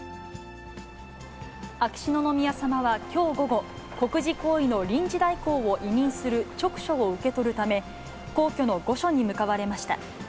秋篠宮さまはきょう午後、国事行為の臨時代行を委任する勅書を受け取るため、皇居の御所に向かわれました。